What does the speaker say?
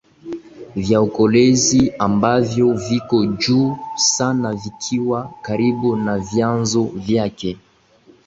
vya ukolezi ambavyo viko juu sana vikiwa karibu na vyanzo vyake